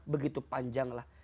begitu panjang lah